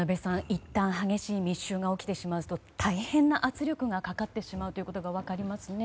いったん激しい密集が起きてしまうと大変な圧力がかかってしまうことが分かりますね。